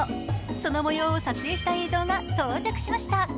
その模様を撮影した映像が到着しました。